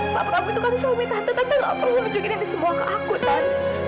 tante gak perlu menjengik ini semua ke aku tante